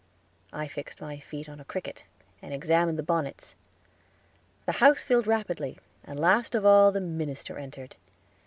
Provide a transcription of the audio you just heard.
I fixed my feet on a cricket, and examined the bonnets. The house filled rapidly, and last of all the minister entered.